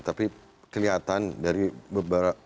tapi kelihatan dari beberapa